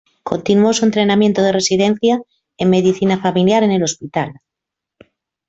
Continuó su entrenamiento de residencia en medicina familiar en el Hospital St.